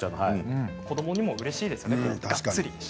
子どもにもうれしいですよね。